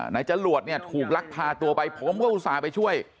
นายจรวรตถูกลับพาตัวไปผมก็อุตส่าห์ไปช่วย